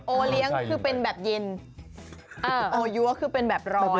โอเลี้ยงคือเป็นแบบเย็น